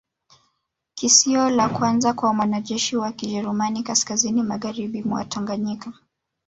Kisio la kwanza la mwanajeshi wa Kijerumani kaskazini magharibi mwa Tanganyika